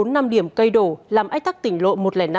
bốn năm điểm cây đổ làm ách tắc tỉnh lộ một trăm linh năm